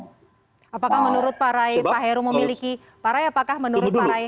apakah menurut pak rai pak heru memiliki pak rai apakah menurut pak rai